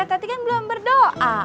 tati kan belum berdoa